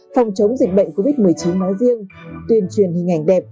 phòng chống dịch bệnh covid một mươi chín nói riêng tuyên truyền hình ảnh đẹp